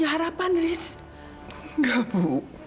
haris gak bisa bu